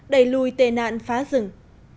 đẩy lùi tề nạn phá rừng